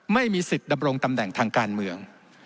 ไม่มีสิทธิ์ดำรงตำแหน่งทางการเมือง